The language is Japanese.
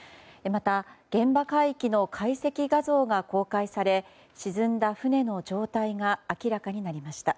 また、現場海域の解析画像が公開され沈んだ船の状態が明らかになりました。